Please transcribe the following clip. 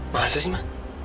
masa sih ma